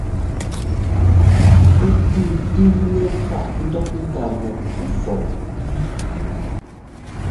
Pɛ́ tʉ́tʉ́nɛ́ páꞌ ńdɔk ŋ́gá mɛkuꞌ fɔɔ.